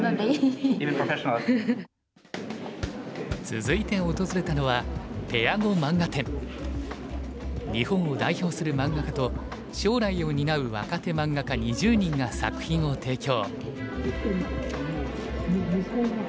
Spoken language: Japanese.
続いて訪れたのは日本を代表する漫画家と将来を担う若手漫画家２０人が作品を提供。